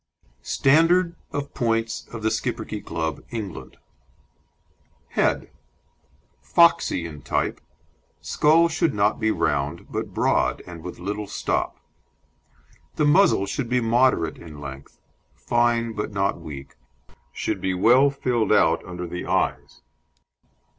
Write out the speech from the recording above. STANDARD OF POINTS OF THE SCHIPPERKE CLUB, ENGLAND: HEAD Foxy in type; skull should not be round, but broad, and with little stop. The muzzle should be moderate in length, fine but not weak, should be well filled out under the eyes.